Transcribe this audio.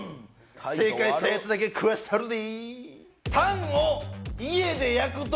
正解したヤツだけ食わしたるで！